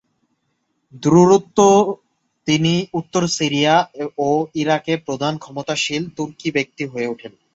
দ্রুত তিনি উত্তর সিরিয়া ও ইরাকে প্রধান ক্ষমতাশালী তুর্কি ব্যক্তি হয়ে উঠেন।